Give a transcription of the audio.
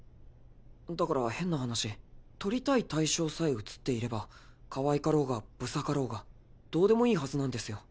だから変な話撮りたい対象さえ写っていればかわいかろうがブサかろうがどうでもいいはずなんですよ。